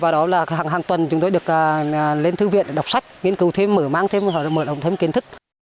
đó là hàng tuần chúng tôi được lên thư viện đọc sách nghiên cứu thêm mở mạng thêm mở động thêm kiến thức